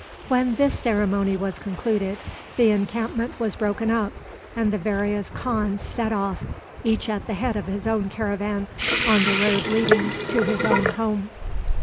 When this ceremony was concluded the encampment was broken up, and the various khans set off, each at the head of his own caravan, on the road leading to his own home.